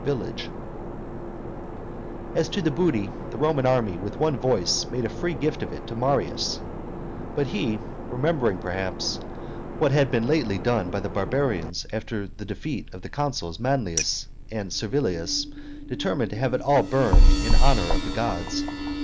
[Illustration: The Women defending the Cars 58] As to the booty, the Roman army with one voice made a free gift of it to Marius; but he, remembering, perhaps, what had been lately done by the barbarians after the defeat of the consuls Manlius and Czepio, determined to have it all burned in honor of the gods.